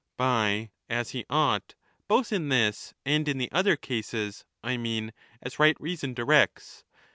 (By ' as he ought ', both in this and in the other cases, I mean ' as right reason directs